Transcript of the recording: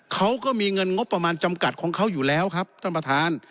เขาก็มีเงินงบประมาณจำกัดของเขาอยู่แล้วครับท่านประธาน